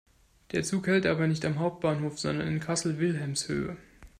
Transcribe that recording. Der Zug hält aber nicht am Hauptbahnhof, sondern in Kassel-Wilhelmshöhe.